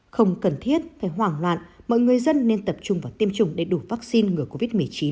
không cần thiết phải hoảng loạn mọi người dân nên tập trung vào tiêm chủng đầy đủ vaccine ngừa covid một mươi chín